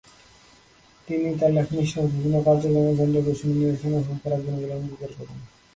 তিনি তাঁর লেখনীসহ বিভিন্ন কার্যক্রমে জেন্ডার-বৈষম্য নিরসনে ভূমিকা রাখবেন বলে অঙ্গীকার করেন।